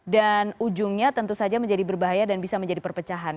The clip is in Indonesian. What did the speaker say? ujungnya tentu saja menjadi berbahaya dan bisa menjadi perpecahan